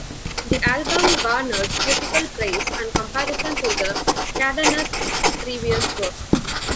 The album garnered critical praise and comparison to the Kadanes' previous work.